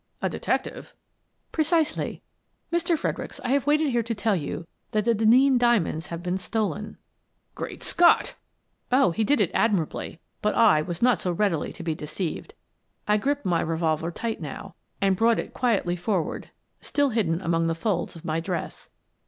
"A detective?" " Precisely. Mr. Fredericks, I have waited here to tell you that the Denneen diamonds have been stolen," "Great Scott!" Oh, he did it admirably, but I was not so readily to be deceived! I gripped my revolver tight now and brought it Mr. Fredericks Returns 81 quietly forward, still hidden among the folds of my dress.